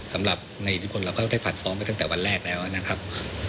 สำหรับในอิทธิพลเราก็ได้ผัดฟ้องไปตั้งแต่วันแรกแล้วนะครับ